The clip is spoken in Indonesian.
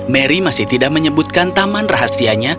mary masih tidak menyebutkan taman rahasianya